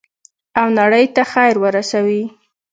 او نړۍ ته خیر ورسوي.